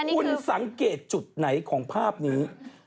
คุณสังเกตจุดไหนของภาพนี้